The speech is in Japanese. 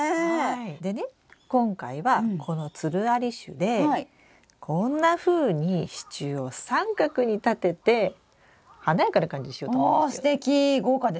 でね今回はこのつるあり種でこんなふうに支柱を三角に立てて華やかな感じにしようと思いますよ。